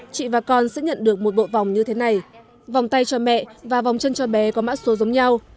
chị và con sẽ nhận được một bộ vòng như thế này vòng tay cho mẹ và vòng chân cho bé có mã số giống nhau